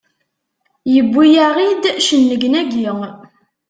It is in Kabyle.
Yewwi-yaɣ-iid cennegnagi!